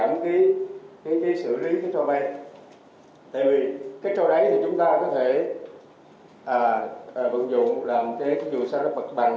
tại vì cái trò đấy thì chúng ta có thể vận dụng làm cái dù sao nó bật bằng